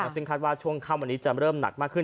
ซึ่งคาดว่าช่วงค่ำวันนี้จะเริ่มหนักมากขึ้น